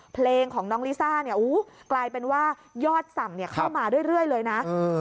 เพลงของน้องลิซ่าเนี่ยกลายเป็นว่ายอดสั่งเข้ามาเรื่อยเลยนะ